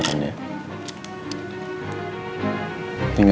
kamu jangan banyak pikirannya